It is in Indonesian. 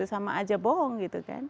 sama aja bohong gitu kan